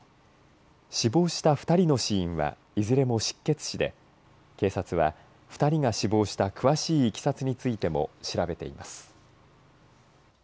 死亡した２人の死因はいずれも失血死で警察は２人が死亡した詳しいいきさつについても調べています。